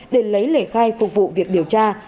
để lấy lễ khai phục vụ việc điều tra